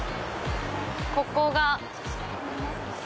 ここが。